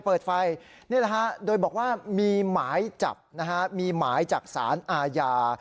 นี่แหละฮะโดยบอกว่ามีหมายจับมีหมายจักษาอาญา